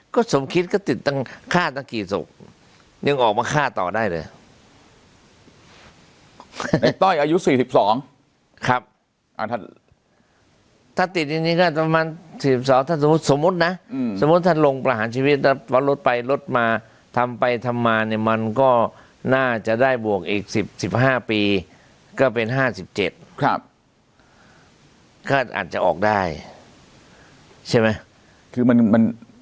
ก็สมคิดก็ติดตั้งฆ่าตั้งกี่ศพยังออกมาฆ่าต่อได้เลยไอ้ต้อยอายุสี่สิบสองครับอ่าท่านถ้าติดอย่างนี้ก็อาจจะประมาณสี่สิบสองถ้าสมมุตินะอืมสมมุติถ้าลงประหารชีวิตตอนรถไปรถมาทำไปทำมาเนี่ยมันก็น่าจะได้บวกอีกสิบสิบห้าปีก็เป็นห้าสิบเจ็ดครับก็อาจจะออกได้ใช่ไหม